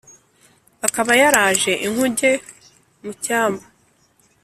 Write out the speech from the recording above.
akaba yaraje inkuge mu cyambu